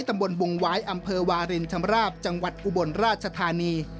ตำบลบงวายอำเภอวารินชำราบจังหวัดอุบลราชธานี